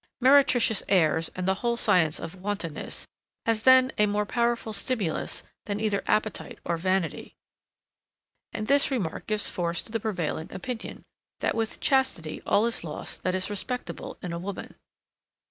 Meretricious airs, and the whole science of wantonness, has then a more powerful stimulus than either appetite or vanity; and this remark gives force to the prevailing opinion, that with chastity all is lost that is respectable in woman.